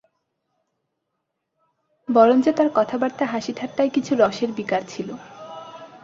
বরঞ্চ তাঁর কথাবার্তা-হাসিঠাট্টায় কিছু রসের বিকার ছিল।